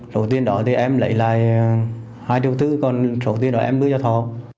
lúc tiên đó thì em lấy lại hai triệu thứ còn lúc tiên đó em đưa cho thọ